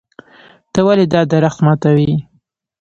ته ولې دا درخت ماتوې.